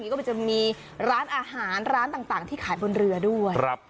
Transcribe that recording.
ก็จะมีร้านอาหารร้านต่างที่ขายบนเรือด้วย